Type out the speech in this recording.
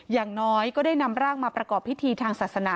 อย่างน้อยก็ได้นำร่างมาประกอบพิธีทางศาสนา